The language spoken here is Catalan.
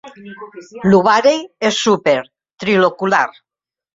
L'ovari és súper, trilocular.